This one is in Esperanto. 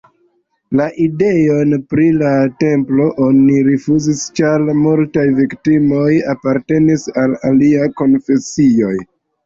La ideon pri la templo oni rifuzis, ĉar multaj viktimoj apartenis al aliaj konfesioj.